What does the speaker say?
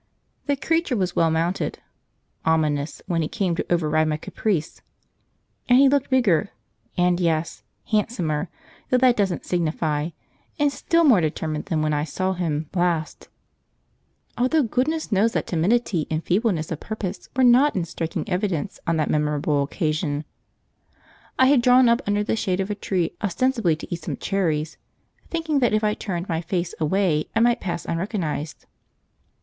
The creature was well mounted (ominous, when he came to override my caprice!) and he looked bigger, and, yes, handsomer, though that doesn't signify, and still more determined than when I saw him last; although goodness knows that timidity and feebleness of purpose were not in striking evidence on that memorable occasion. I had drawn up under the shade of a tree ostensibly to eat some cherries, thinking that if I turned my face away I might pass unrecognised.